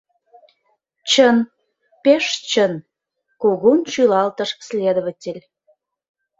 — Чын, пеш чын, — кугун шӱлалтыш следователь.